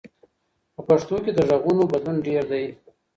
په پښتو کي د ږغونو بدلون ډېر دی.